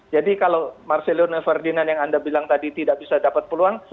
jadi kalau marcelino ferdinand yang anda bilang tadi tidak bisa dapat peluang